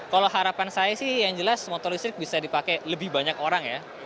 kalau harapan saya sih yang jelas motor listrik bisa dipakai lebih banyak orang ya